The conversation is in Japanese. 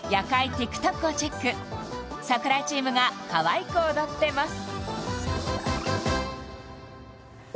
ＴｉｋＴｏｋをチェック櫻井チームがかわいく踊ってます